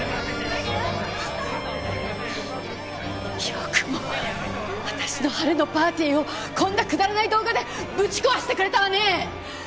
よくも私の晴れのパーティーをこんなくだらない動画でぶち壊してくれたわね！